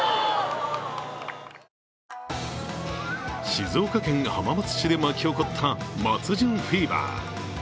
静岡県浜松市で巻き起こった松潤フィーバー。